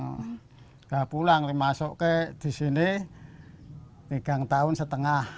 tidak pulang masuk ke disini tiga tahun setengah